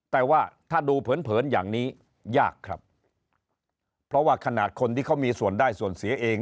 แต่ว่าถ้าดูเผินเผินอย่างนี้ยากครับเพราะว่าขนาดคนที่เขามีส่วนได้ส่วนเสียเอง